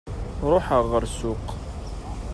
Ruḥeɣ ɣer ssuq.